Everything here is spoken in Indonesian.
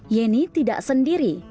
yeni tidak sendiri